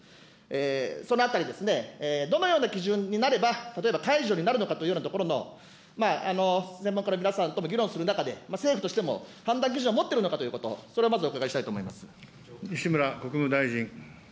そのあたりですね、どのような基準になれば、例えば解除になるのかというようなところの専門家の皆さんとも議論する中で、政府としても判断基準を持っているのかということ、それをまずお伺いしたいと思います。